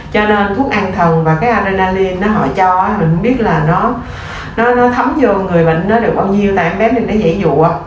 cho nên thuốc an thần và cái adrenalin nó họ cho á mình cũng biết là nó thấm vô người bệnh nó được bao nhiêu tại em bé mình đã giải dụa